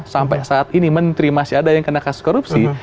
sampai saat ini menteri masih ada yang kena kasus korupsi